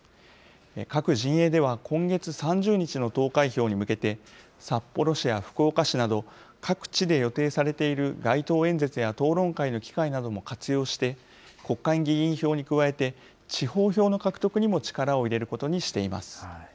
各陣営では、今月３０日の投開票に向けて、札幌市や福岡市など、各地で予定されている街頭演説や、討論会の機会なども活用して、国会議員票に加えて、地方票の獲得にも力を入れることにしています。